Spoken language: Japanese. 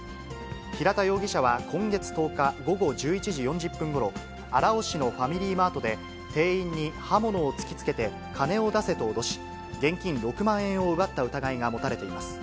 平田容疑者は今月１０日午後１１時４０分ごろ、荒尾市のファミリーマートで、店員に刃物を突き付けて金を出せと脅し、現金６万円を奪った疑いが持たれています。